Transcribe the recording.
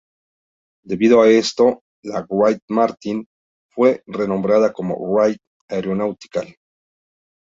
Debido a esto, la Wright-Martin fue renombrada como Wright Aeronautical.